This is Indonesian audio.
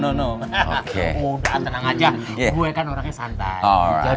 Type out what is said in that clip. udah tenang aja gue kan orangnya santai